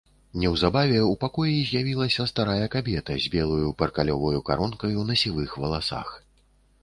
Неўзабаве ў пакоі з'явілася старая кабета з белаю паркалёваю каронкаю на сівых валасах.